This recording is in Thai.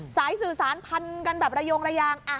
สายสื่อสารพันกันแบบระยงระยาง